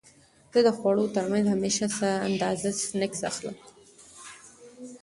زه د خوړو ترمنځ همیشه څه لږه اندازه سنکس اخلم.